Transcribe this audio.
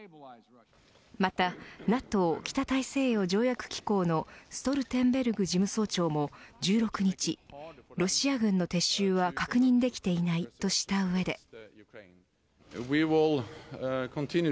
またＮＡＴＯ北大西洋条約機構のストルテンベルグ事務総長も１６日、ロシア軍の撤収は確認できていないとした上で。